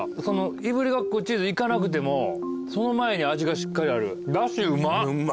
いぶりがっこチーズいかなくてもその前に味がしっかりある。